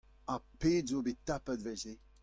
Ha pet 'zo bet tapet evel-se !